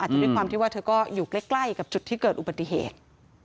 จะด้วยความที่ว่าเธอก็อยู่ใกล้กับจุดที่เกิดอุบัติเหตุ